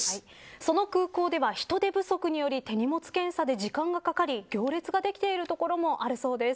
その空港では、人手不足により手荷物検査で時間がかかり行列ができている所もあるそうです。